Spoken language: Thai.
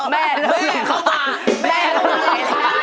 แม่เข้ามาแม่เข้ามาแล้ว